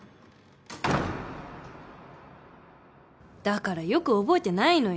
だからよく覚えてないのよ。